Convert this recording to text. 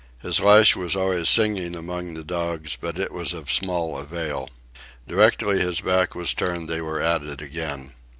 His lash was always singing among the dogs, but it was of small avail. Directly his back was turned they were at it again.